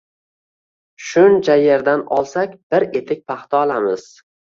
Shuncha yerdan olsak, bir etak paxta olamiz